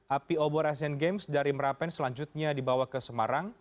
api obor asian games dari merapen selanjutnya dibawa ke semarang